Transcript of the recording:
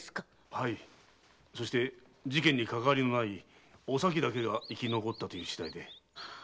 はいそして事件にかかわりのないお咲だけが生き残ったという次第で。